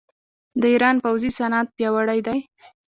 د ایران پوځي صنعت پیاوړی دی.